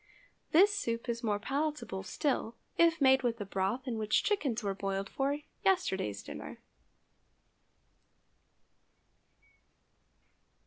This soup is more palatable still if made with the broth in which chickens were boiled for yesterday's dinner.